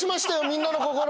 みんなの心を。